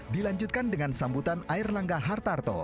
dilanjutkan dengan sambutan air langga hartarto